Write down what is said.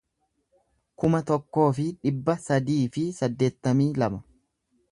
kuma tokkoo fi dhibba sadii fi saddeettamii lama